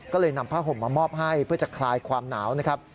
ก็เลยนำผ้าห่มมามอบให้เพื่อจะคลายความหนาวนะครับ